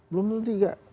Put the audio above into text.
belum tentu tiga